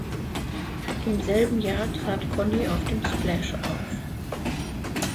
Im selben Jahr trat Conny auf dem Splash auf.